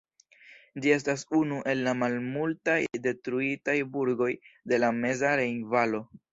Ĝi estas unu el la malmultaj detruitaj burgoj de la meza rejnvalo.